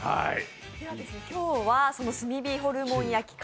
今日はその炭火ホルモン焼き夏